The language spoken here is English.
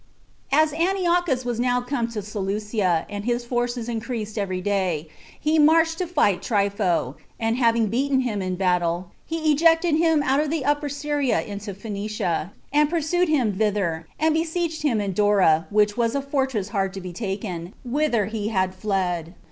2. As Antiochus was now come to Seleucia, and his forces increased every day, he marched to fight Trypho; and having beaten him in the battle, he ejected him out of the Upper Syria into Phoenicia, and pursued him thither, and besieged him in Dora which was a fortress hard to be taken, whither he had fled.